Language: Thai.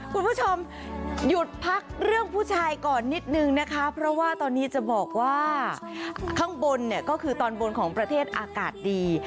คุณผู้ชมหยุดพักเรื่องผู้ชายก่อนนิดนึงนะคะเพราะว่าตอนนี้จะบอกว่าข้างบนเนี่ยก็คือตอนบนของประเทศอากาศดี